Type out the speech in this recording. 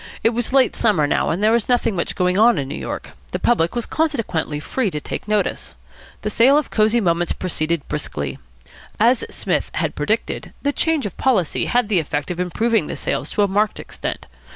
It was late summer now, and there was nothing much going on in New York. The public was consequently free to take notice. The sale of Cosy Moments proceeded briskly. As Psmith had predicted, the change of policy had the effect of improving the sales to a marked extent.